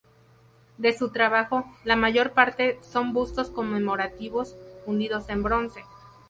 De su trabajo, la mayor parte son bustos conmemorativos fundidos en bronce.